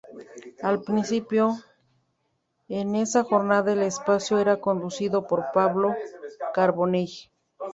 Al principio, en esa jornada el espacio era conducido por Pablo Carbonell.